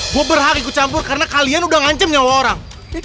gue berhati kucampur karena kalian udah ngancam nyawa orang